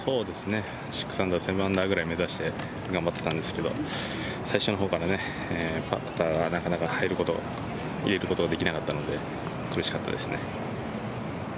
６アンダー、７アンダーぐらい目指して頑張ってたんですけど最初の方からパターがなかなか入れることができなかったので苦しかったですね。